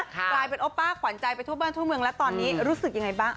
กลายเป็นโอป้าถึงในทุกเมืองเขาขวัญใจรู้สึกเลยแล้วตอนนี้รู้สึกอย่างไรบ้าง